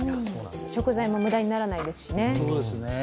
食材も無駄にならないですしね。